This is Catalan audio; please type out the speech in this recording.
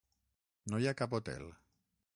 No hi ha cap hotel.